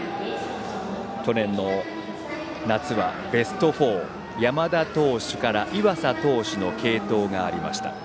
去年の夏はベスト４山田投手からの継投がありました。